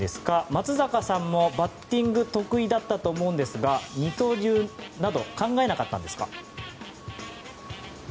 松坂さんもバッティング得意だったと思うんですが二刀流など考えなかったんですか。